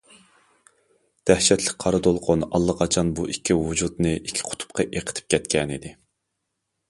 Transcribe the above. دەھشەتلىك قارا دولقۇن ئاللىقاچان بۇ ئىككى ۋۇجۇدنى ئىككى قۇتۇپقا ئېقىتىپ كەتكەنىدى.